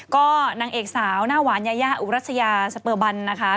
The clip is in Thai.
ก็นางเอกสาวหน้าหวานยายาอุรัสยาสเปอร์บันนะคะ